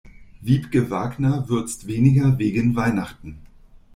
Wiebke Wagner würzt weniger wegen Weihnachten.